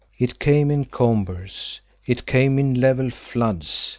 It came in combers, it came in level floods.